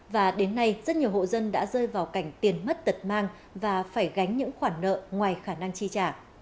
và đến nay rất nhiều hộ dân đã rơi vào cảnh tiền mất tật mang và phải gánh những khoản nợ ngoài khả năng chi trả